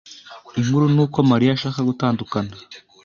Inkuru nuko Mariya ashaka gutandukana.